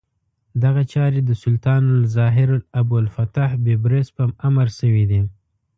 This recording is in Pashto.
دغه چارې د سلطان الظاهر ابوالفتح بیبرس په امر شوې دي.